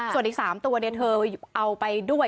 ส่วนอีก๓ตัวเธอเอาไปด้วย